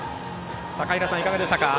高平さん、いかがでしたか？